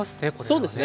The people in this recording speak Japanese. そうですね。